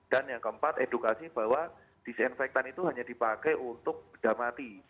dan yang keempat edukasi bahwa disinfektan itu hanya dipakai untuk beda mati